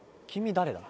誰だ？